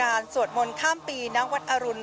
พาคุณผู้ชมไปติดตามบรรยากาศกันที่วัดอรุณราชวรรมมหาวิหารค่ะ